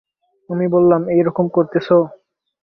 আমি বললাম, এই রকম করতেছ।